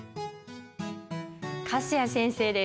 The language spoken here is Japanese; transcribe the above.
粕谷先生です。